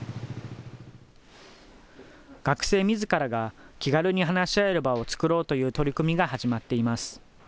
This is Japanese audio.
学生みずからが気軽に話し合える場を作ろうという取り組みが始まっています。